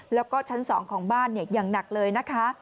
แล้วก็ชั้น๒ของบ้านอย่างหนักเลยนะคะ